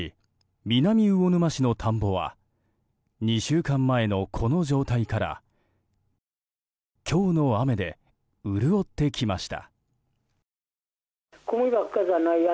南魚沼市の田んぼは２週間前のこの状態から今日の雨で潤ってきました。